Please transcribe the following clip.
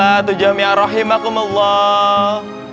assalatu jami'arrahimakum allah